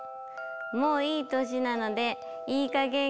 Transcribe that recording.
もういい年なのでいいかげん